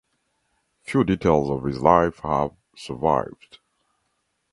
Few details of his life have survived.